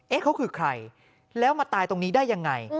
เขาคือใครแล้วมาตายตรงนี้ได้ยังไง